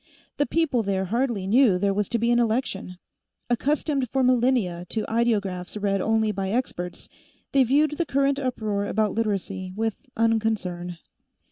The people there hardly knew there was to be an election. Accustomed for millennia to ideographs read only by experts, they viewed the current uproar about Literacy with unconcern.